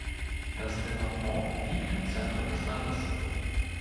Das Departement liegt im Zentrum des Landes.